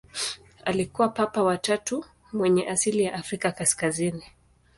Alikuwa Papa wa tatu mwenye asili ya Afrika kaskazini.